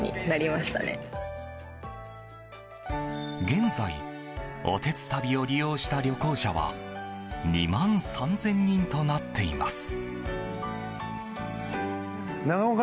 現在、おてつたびを利用した旅行者は２万３０００人となっています。